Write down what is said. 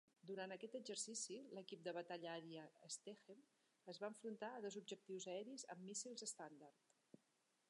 Durant aquest exercici, l'equip de batalla aèria "Stethem" es va enfrontar a dos objectius aeris amb míssils estàndard.